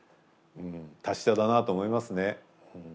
達者だなと思いますね。